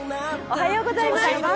おはようございます。